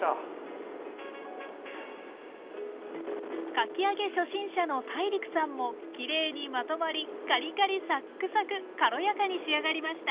かき揚げ初心者のＴＡＩＲＩＫさんもきれいにまとまりカリカリサックサク軽やかに仕上がりました。